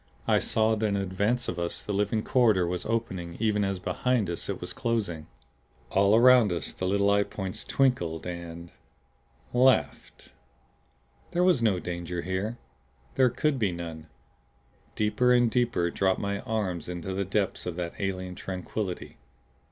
I saw that in advance of us the living corridor was opening even as behind us it was closing. All around us the little eye points twinkled and laughed. There was no danger here there could be none. Deeper and deeper dropped my mind into the depths of that alien tranquillity.